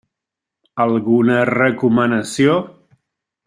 Alguna recomanació?